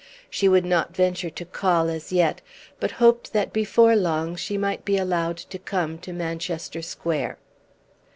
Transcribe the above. She would not venture to call as yet, but hoped that before long she might be allowed to come to Manchester Square.